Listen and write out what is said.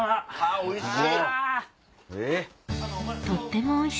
おいしい！